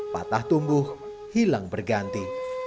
patah tumbuh hilang berganti